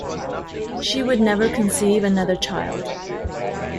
She would never conceive another child.